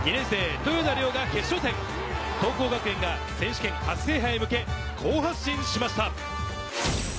２年生・豊田怜央が決勝点、桐光学園が選手権初制覇へ向け好発進しました。